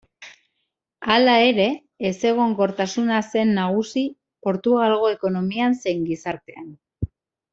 Hala ere, ezegonkortasuna zen nagusi Portugalgo ekonomian zein gizartean.